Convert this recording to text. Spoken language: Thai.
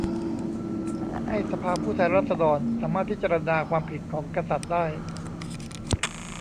ให้สภาผู้แทนราษฎรสามารถพิจารณาความผิดของกษัตริย์ได้